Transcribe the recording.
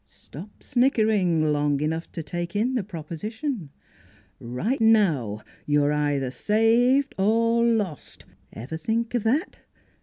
... Stop snickering long enough to take in the proposition: right now you're either saved or lost! Ever think of that?